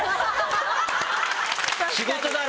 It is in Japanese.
仕事だろ！